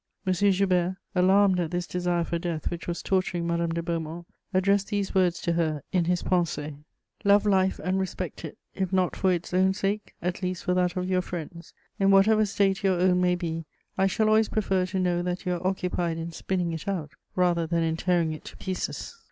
M. Joubert, alarmed at this desire for death which was torturing Madame de Beaumont, addressed these words to her in his Pensées: "Love life and respect it, if not for its own sake, at least for that of your friends. In whatever state your own may be, I shall always prefer to know that you are occupied in spinning it out rather than in tearing it to pieces."